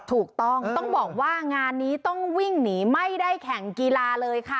ถูกต้องต้องบอกว่างานนี้ต้องวิ่งหนีไม่ได้แข่งกีฬาเลยค่ะ